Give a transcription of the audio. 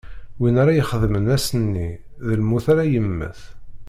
Win ara ixedmen ass-nni, d lmut ara yemmet.